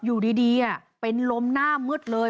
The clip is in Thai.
อยู่ดีเป็นลมหน้ามืดเลย